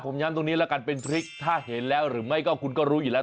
ผมย้ำตรงนี้แล้วกันเป็นพริกถ้าเห็นแล้วหรือไม่ก็คุณก็รู้อยู่แล้ว